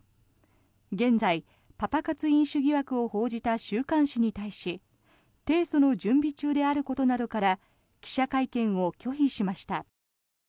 現在、パパ活飲酒疑惑を報じた週刊誌に対し提訴の準備中などであることから記者会見を拒否しました。